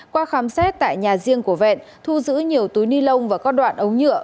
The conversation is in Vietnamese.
qua khám xét tại nhà riêng của vẹn thu giữ nhiều túi ni lông và các đoạn ống nhựa